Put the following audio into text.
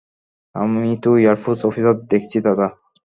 আমি তো air force officer দেখছি দাদা।